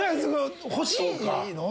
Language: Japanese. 欲しいの？